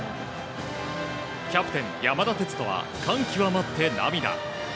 キャプテン、山田哲人は感極まって涙。